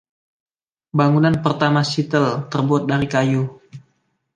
Bangunan pertama Seattle terbuat dari kayu.